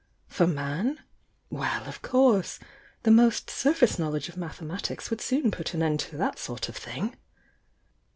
For man? Well, of course I — the most surface knowledge of mathe matics would soon put an end to that sort of thing!"